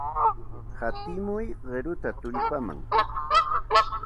Hatimuy qiruta tullpaman.